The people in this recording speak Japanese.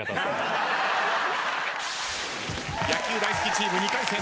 野球大好きチーム２回戦。